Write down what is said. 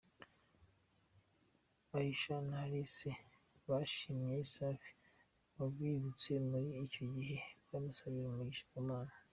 Aishana Alice bashimye Safi wabibutse muri iki gihe bamusabira umugisha ku Mana.